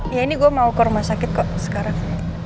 ya ini gue mau ke rumah sakit kok sekarang